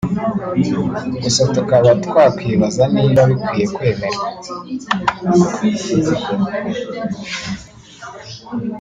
gusa tukaba twakwibaza niba bikwiye kwemerwa